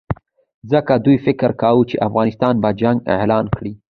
ځکه دوی فکر کاوه چې افغانستان به جنګ اعلان کړي.